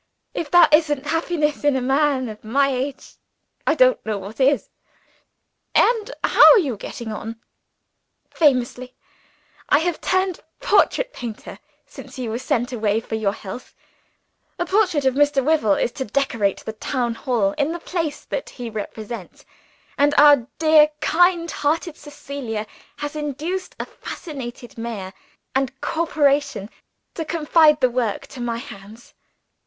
If that isn't happiness (in a man of my age) I don't know what is!" "And how are you getting on?" "Famously! I have turned portrait painter, since you were sent away for your health. A portrait of Mr. Wyvil is to decorate the town hall in the place that he represents; and our dear kind hearted Cecilia has induced a fascinated mayor and corporation to confide the work to my hands."